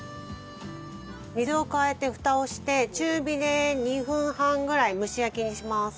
水を加えてふたをして中火で２分半ぐらい蒸し焼きにします。